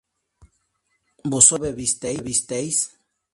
¿vosotras no bebisteis?